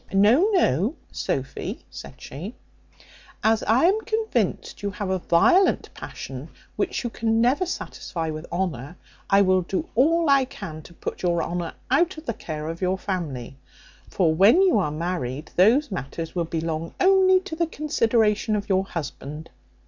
No, no, Sophy," said she, "as I am convinced you have a violent passion which you can never satisfy with honour, I will do all I can to put your honour out of the care of your family: for when you are married those matters will belong only to the consideration of your husband.